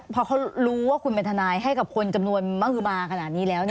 พอเขารู้ว่าคุณเป็นทนายให้กับคนจำนวนมหือมาขนาดนี้แล้ว